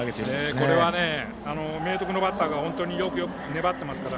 これは、明徳のバッターが本当によく粘っていますから。